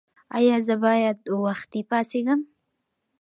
ایا زه باید وختي پاڅیږم؟